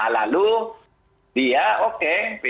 lalu dia oke